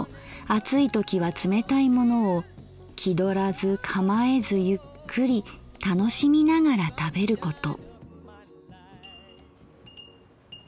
暑いときは冷たいものを気どらず構えずゆっくり楽しみながら食べること」。